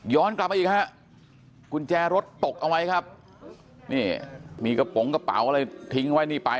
กลับมาอีกฮะกุญแจรถตกเอาไว้ครับนี่มีกระโปรงกระเป๋าอะไรทิ้งไว้นี่ไป